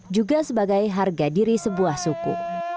juga sebagai harga diri sebuah suku